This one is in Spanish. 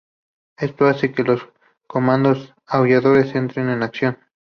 Esto hace que los Comandos Aulladores entren en acción.